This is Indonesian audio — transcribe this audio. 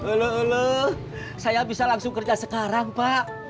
ulu ulu saya bisa langsung kerja sekarang pak